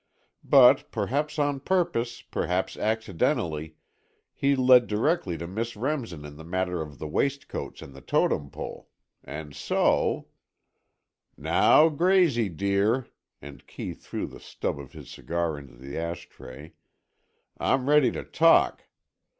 But, perhaps on purpose, perhaps accidentally, he led directly to Miss Remsen in the matter of the waistcoats and the Totem Pole. And so——" "Now, Graysie, dear," and Kee threw the stub of his cigar into the ash tray, "I'm ready to talk.